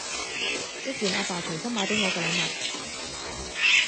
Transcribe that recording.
一件阿爸隨心買畀我嘅禮物